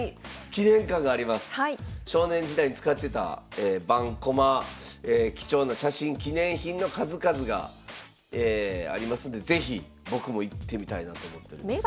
少年時代に使ってた盤駒貴重な写真記念品の数々がありますんで是非僕も行ってみたいなと思っております。